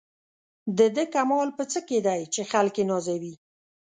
د ده کمال په څه کې دی چې خلک یې نازوي.